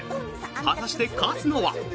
果たして勝つのは？